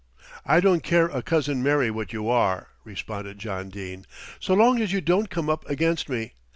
"I don't care a cousin Mary what you are," responded John Dene, "so long as you don't come up against me.